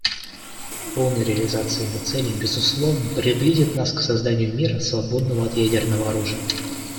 Полная реализация его целей, безусловно, приблизит нас к созданию мира, свободного от ядерного оружия.